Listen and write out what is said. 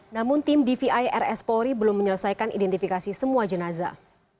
namun tim dvi rs polri belum menyelesaikan identifikasi semua jenazah